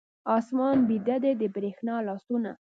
آسمان بیده دی، د بریښنا لاسونه